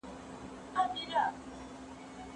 د هرات جګړې د ابدالیانو په تاريخ کې يو لوی وياړ دی.